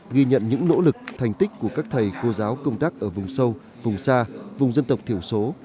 ghi nhận những nỗ lực thành tích của các thầy cô giáo công tác ở vùng sâu vùng xa vùng dân tộc thiểu số